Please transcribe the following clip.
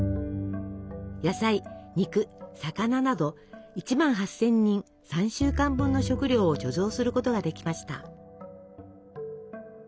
野菜肉魚など１万８，０００人３週間分の食料を貯蔵することができました。